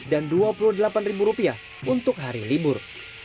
dan dua puluh delapan rupiah untuk hari libur